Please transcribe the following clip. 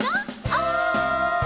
「おい！」